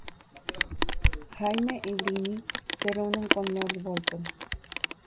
Jaime y Brienne se reúnen con Lord Bolton.